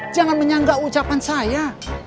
jangan menyanggak ucapan saya